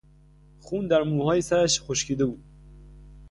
خون در موهای سرش خشکیده بود.